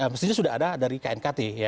mestinya sudah ada dari knkt